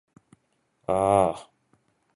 aaaa